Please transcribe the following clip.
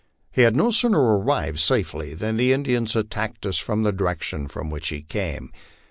He had no sooner arrived safely than the Indians attacked from the direction from which he came.